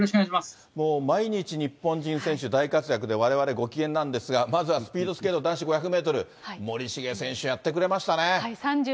もう毎日、日本人選手大活躍でわれわれご機嫌なんですが、まずはスピードスケート男子５００メートル、森重選手、やってくれましたね。